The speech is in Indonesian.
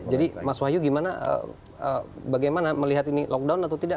jadi mas wahyu bagaimana melihat ini lockdown atau tidak